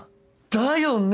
だよね！